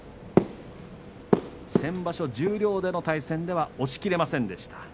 先場所、十両での対戦では押しきれませんでした。